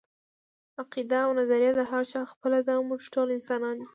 عقیده او نظريه د هر چا خپله ده، موږ ټول انسانان يو